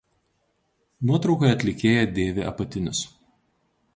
Nuotraukoje atlikėja dėvi apatinius.